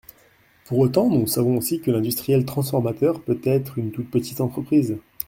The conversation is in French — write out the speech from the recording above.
Pour autant, nous savons aussi que l’industriel transformateur peut être une toute petite entreprise.